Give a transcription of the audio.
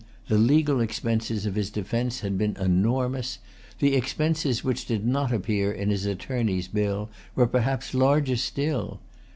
The legal expenses of his defence had been enormous. The expenses which did not appear in his attorney's bill were perhaps larger still.